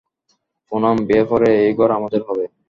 পুনাম, বিয়ের পরে, এই ঘর আমাদের হবে।